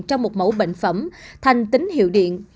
trong một mẫu bệnh phẩm thành tính hiệu điện